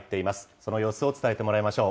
その様子を伝えてもらいましょう。